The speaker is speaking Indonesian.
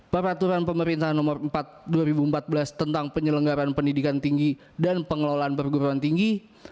peraturan pemerintah nomor empat dua ribu empat belas tentang penyelenggaran pendidikan tinggi dan pengelolaan perguruan tinggi